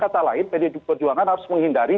kata lain pdi perjuangan harus menghindari